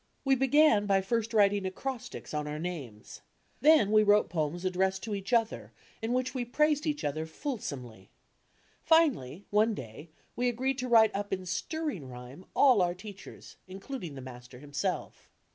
We began by first writing acrostics on our names; then we wrote poems addressed to each other in which we praised each other fulsomely; finally, one day, we agreed to write up in stirring rhyme all our teachers, including the master himself.